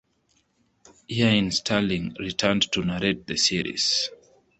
Iain Stirling returned to narrate the series.